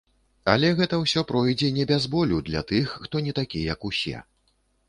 Але гэта ўсё пройдзе не без болю для тых, хто не такі, як усе.